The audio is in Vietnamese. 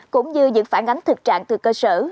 cũng như những phản ánh thực trạng từ cơ sở